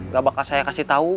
gak bakal saya kasih tahu